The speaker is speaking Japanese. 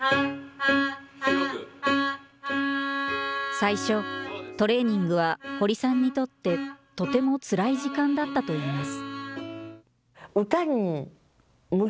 最初、トレーニングは堀さんにとって、とてもつらい時間だったといいます。